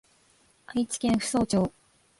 愛知県扶桑町